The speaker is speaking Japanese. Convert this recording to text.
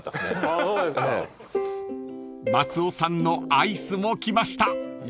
［松尾さんのアイスも来ました］